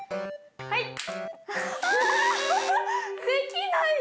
はい！